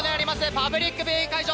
パブリックビューイング会場。